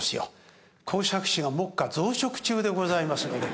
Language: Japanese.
講釈師が目下増殖中でございますのでね